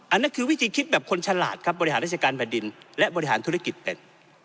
อันนั้นคือวิธีคิดแบบคนฉลาดครับบริหารราชการแผ่นดินและบริหารธุรกิจเป็น